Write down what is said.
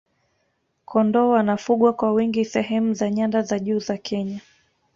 kondoo wanafugwa kwa wingi sehemu za nyanda za juu za kenya